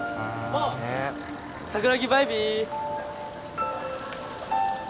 おう桜木バイビー！